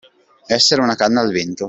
Essere una canna al vento.